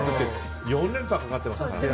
４連覇がかかってますからね。